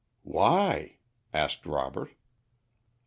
"Why?" asked Robert.